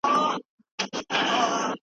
حکومتونه د زېربناوو په رغولو بوخت دي.